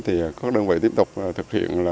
thì các đơn vị tiếp tục thực hiện